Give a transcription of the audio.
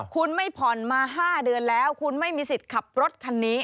คุณไม่ผ่อนมา๕เดือนแล้วคุณไม่มีสิทธิ์ขับรถคันนี้